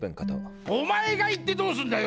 お前が言ってどうすんだよ！